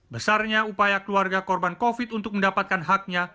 besarnya upaya keluarga korban covid untuk mendapatkan haknya